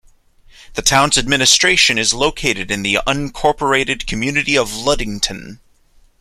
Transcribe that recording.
The town's administration is located in the unincorporated community of Ludington.